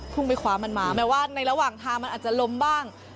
ไปคว้ามันมาแม้ว่าในระหว่างทางมันอาจจะล้มบ้าง